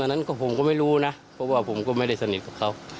นั้นผมก็ไม่รู้นะเพราะว่าผมก็ไม่ได้สนิทกับเขา